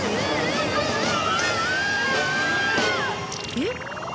えっ？